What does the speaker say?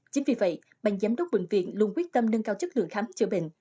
chính vì vậy bàn giám đốc bệnh viện luôn quyết tâm nâng cao chất lượng khám chữa bệnh